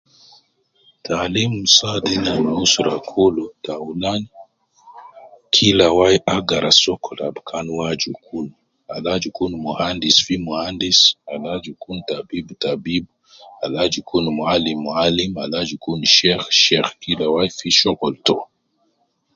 Taalim saadu ina me usra kulu taulan ,kila wai agara sokol ab kan uwo aju kun ,al aju kun muhandis kun muhandis ,al aju kun tabib tabib, al aju kun muwalim muwalim, al aju kun Sheikh Sheikh, kila wai kun sokol to